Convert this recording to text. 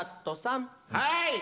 はい！